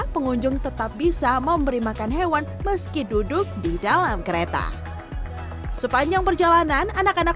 pengunjung tetap bisa memberi makan hewan meski duduk di dalam kereta sepanjang perjalanan anak anak